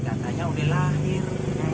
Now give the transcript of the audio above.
kakaknya udah lahir